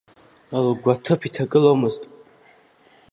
Лгәы аҭыԥ иҭагыломызт.